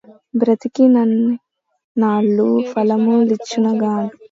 బ్రతికినన్నినాళ్ళు ఫలము లిచ్చుట గాదు